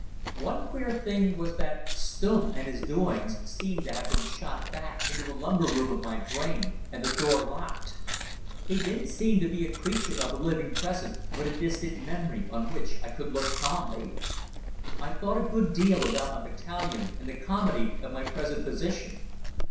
One queer thing was that Stumm and his doings seemed to have been shot back into a lumber room of my brain and the door locked. He didn't seem to be a creature of the living present, but a distant memory on which I could look calmly. I thought a good deal about my battalion and the comedy of my present position.